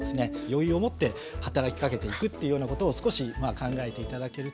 余裕を持って働きかけていくっていうようなことを少し考えて頂けるといいのかなって。